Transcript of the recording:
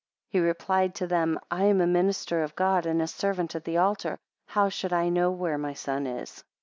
10 He replied, to them, I am a minister of God, and a servant at the altar: how should I know where my son is?